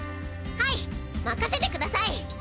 はい任せてください！